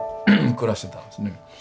暮らしてたんですね。